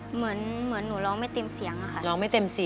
เหมือนหนูร้องไม่เต็มเสียงอ่ะค่ะ